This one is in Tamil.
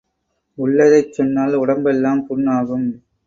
உள்ளதைச் சொன்னால் உடம்பெல்லாம் புண் ஆகும்.